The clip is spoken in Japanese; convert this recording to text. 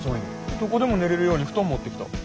どこでも寝れるように布団持ってきた。